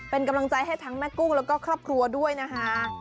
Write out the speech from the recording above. เป็นกำลังใจให้ทั้งแม่กุ้งแล้วก็ครอบครัวด้วยนะคะ